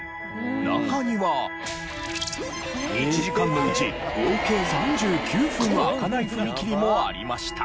中には１時間のうち合計３９分は開かない踏切もありました。